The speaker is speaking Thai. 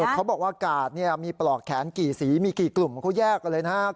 เขาบอกว่ากาดมีปลอกแขนกี่สีมีกี่กลุ่มเขาแยกกันเลยนะครับ